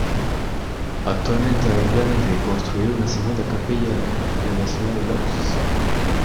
Actualmente hay planes de construir una segunda capilla en la ciudad de Łódź.